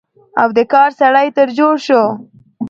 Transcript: او د کار سړى تر جوړ شو،